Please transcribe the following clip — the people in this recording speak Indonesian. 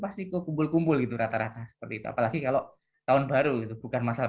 pasti ke kumpul kumpul itu rata rata seperti itu apalagi kalau tahun baru itu bukan masalah